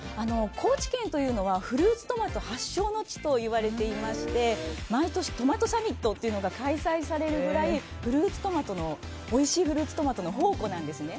高知県というのはフルーツトマト発祥の地といわれていまして毎年、トマトサミットというのが開催されるぐらいおいしいフルーツトマトの宝庫なんですね。